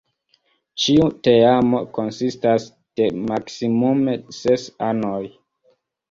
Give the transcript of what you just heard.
Ĉiu teamo konsistas de maksimume ses anoj.